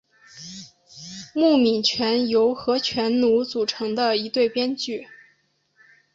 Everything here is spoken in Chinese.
木皿泉由和泉努组成的一对编剧。